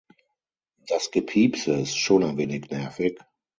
Das Gepiepse ist schon ein wenig nervig.